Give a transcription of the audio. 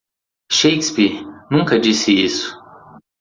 Shakespeare nunca disse isso.